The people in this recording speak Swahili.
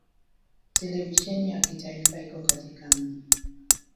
Televisheni ya kitaifa iko katika mji.